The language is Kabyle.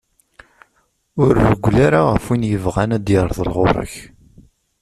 Ur reggel ara ɣef win yebɣan ad d-irḍel ɣur-k.